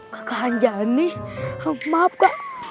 kak hanjani maaf kak